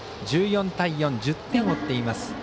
１４対４、１０点を追っています。